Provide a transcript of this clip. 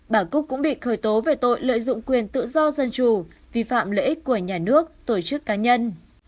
bà cúc cũng bị khởi tố về tội lợi dụng quyền tự do dân chủ vi phạm lợi ích của nhà nước tổ chức cá nhân